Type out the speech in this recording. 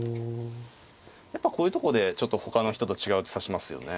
やっぱこういうとこでちょっとほかの人と違う手指しますよね。